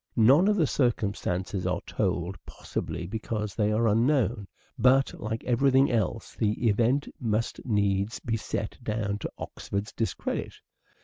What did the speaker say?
None of the circumstances are told, possibly because they are unknown, but, like every thing else, the event must needs be set down to Oxford's discredit